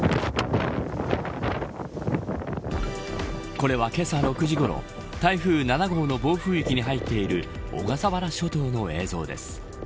これはけさ６時ごろ台風７号の暴風域に入っている小笠原諸島の映像です。